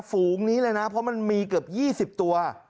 ฝูงนี้เลยนะเพราะมันมีเกือบ๒๐ตัว